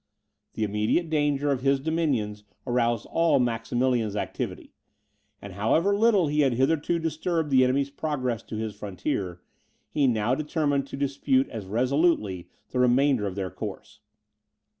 The immediate danger of his dominions aroused all Maximilian's activity; and however little he had hitherto disturbed the enemy's progress to his frontier, he now determined to dispute as resolutely the remainder of their course.